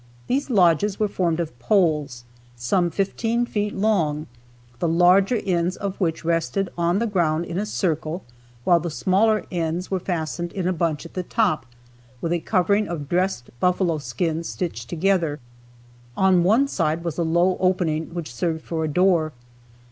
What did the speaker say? These lodges were formed of poles, some fifteen feet long, the larger ends of which rested on the ground in a circle, while the smaller ends were fastened in a bunch at the top, with a covering of dressed buffalo skins stitched together. On one side was a low opening, which served for a door.